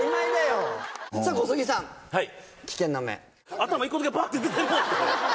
頭１個だけバッて出てもうて。